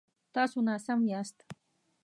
تاسو ناسم یاست